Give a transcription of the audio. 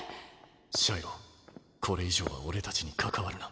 シャイロこれ以上は俺たちに関わるな。